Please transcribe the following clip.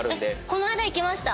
この間行きました！